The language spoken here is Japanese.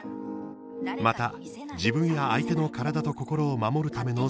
また、自分や相手の体と心を守るための性教育。